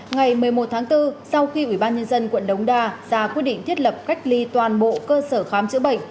ngày một mươi một tháng bốn sau khi ủy ban nhân dân quận đống đa ra quyết định thiết lập cách ly toàn bộ cơ sở khám chữa bệnh